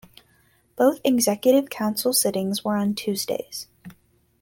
Both Executive Council sittings were on Tuesdays.